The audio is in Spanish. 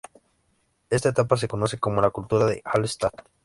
Esta etapa se conoce como la cultura de Hallstatt.